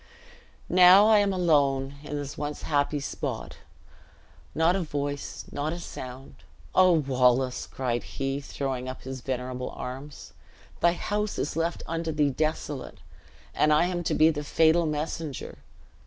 "Now I am alone in this once happy spot. Not a voice, not a sound. Oh, Wallace!" cried he, throwing up his venerable arms, "thy house is left unto thee desolate, and I am to be the fatal messenger."